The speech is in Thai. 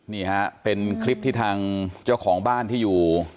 นี่ฮะเป็นคลิปที่ทางเจ้าของบ้านที่อยู่